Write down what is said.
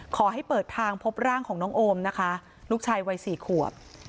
ขอให้เปิดทางพบร่างของน้องโอมนะคะลูกชายวัย๔ขวบ